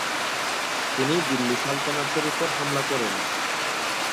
তিনি দিল্লি সালতানাতের উপর হামলা করেন।